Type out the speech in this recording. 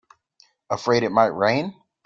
Afraid it might rain?